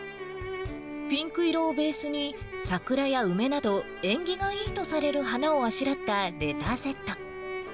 ピンク色をベースに、桜や梅など、縁起がいいとされる花をあしらったレターセット。